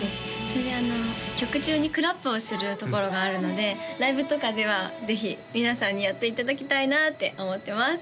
それで曲中にクラップをするところがあるのでライブとかではぜひ皆さんにやっていただきたいなって思ってます